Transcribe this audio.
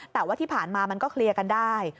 แต่ว่าที่ผ่านมามันก็เคลียร์กันได้